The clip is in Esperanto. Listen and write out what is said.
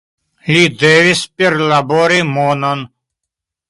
Li devis perlabori monon.